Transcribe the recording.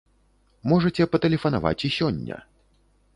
Можаце патэлефанаваць і сёння.